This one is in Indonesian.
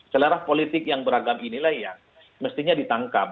selera politik yang beragam inilah yang mestinya ditangkap